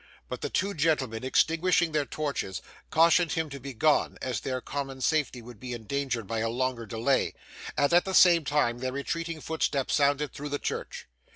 But the two gentlemen, extinguishing their torches, cautioned him to be gone, as their common safety would be endangered by a longer delay; and at the same time their retreating footsteps sounded through the church.